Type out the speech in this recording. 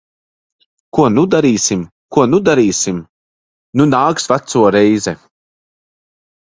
Ko nu darīsim? Ko nu darīsim? Nu nāks veco reize.